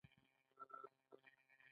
ازادي راډیو د عدالت ستر اهميت تشریح کړی.